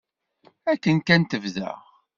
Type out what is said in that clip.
Akken kan tebda.